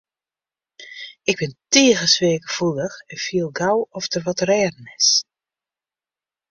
Ik bin tige sfeargefoelich en fiel hiel gau oft der wat te rêden is.